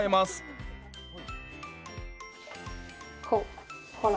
こうほら。